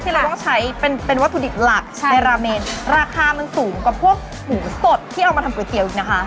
เราต้องใช้เป็นเป็นวัตถุดิบหลักใช่ในราเมนราคามันสูงกว่าพวกหมูสดที่เอามาทำก๋วยเตี๋ยวอีกนะคะ